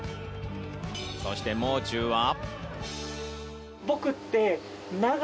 そして、もう中は。